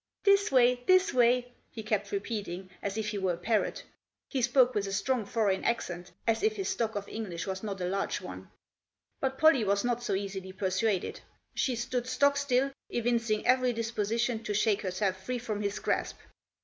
" This way ! this way !" he kept repeating, as if he were a parrot He spoke with a strong foreign accent — as if his stock of English was not a large one. Digitized by BETWEEN 13 & 14, ROSEMARY STREET. 85 But Pollie was not to be so easily persuaded. She stood stock still, evincing every disposition to shake herself free from his grasp.